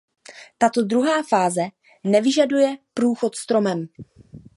Tato druhá fáze nevyžaduje průchod stromem.